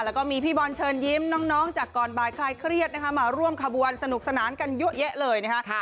แล้วก็มีพี่บอลเชิญยิ้มน้องจากก่อนบ่ายคลายเครียดนะคะมาร่วมขบวนสนุกสนานกันเยอะแยะเลยนะคะ